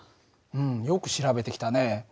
うんよく調べてきたね。